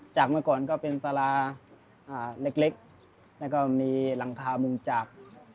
เมื่อก่อนก็เป็นสาราเล็กแล้วก็มีหลังคามุงจาก